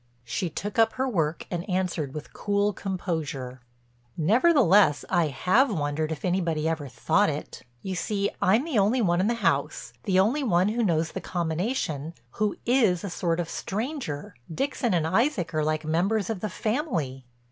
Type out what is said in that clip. She took up her work, and answered with cool composure: "Nevertheless I have wondered if anybody ever thought it. You see I'm the only one in the house—the only one who knows the combination—who is a sort of stranger. Dixon and Isaac are like members of the family."